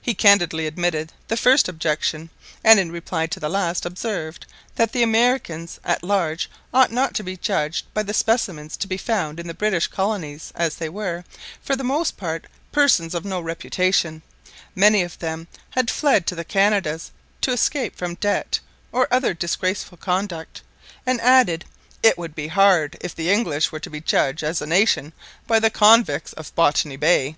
He candidly admitted the first objection; and in reply to the last observed, that the Americans at large ought not to be judged by the specimens to be found in the British colonies, as they were, for the most part, persons of no reputation, many of whom had fled to the Canadas to escape from debt, or other disgraceful conduct; and added, "It would be hard if the English were to be judged as a nation by the convicts of Botany Bay."